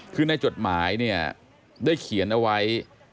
คือในจดหมายเนี่ยได้เขียนเอาไว้